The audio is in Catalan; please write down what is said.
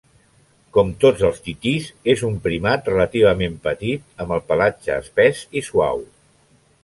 Com tots els titís, és un primat relativament petit, amb el pelatge espès i suau.